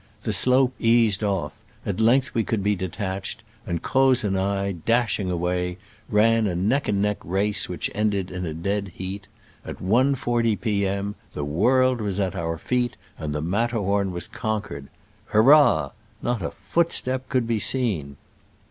The slope eased off, at length we could be detached, and Croz and I, dashing away, ran a neck and neck race which ended in a dead heat. At 1.40 p. m. the world was at our feet and the Matterhorn was con quered ! Hurrah ! Not a footstep could be seen.